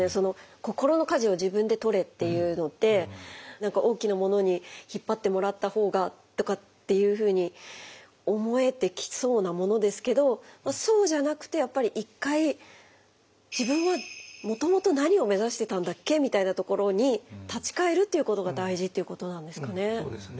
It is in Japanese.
「心の舵を自分でとれ」っていうのって何か大きなものに引っ張ってもらった方がとかっていうふうに思えてきそうなものですけどそうじゃなくてやっぱり一回自分はもともと何を目指してたんだっけみたいなところに立ち返るっていうことが大事っていうことなんですかね。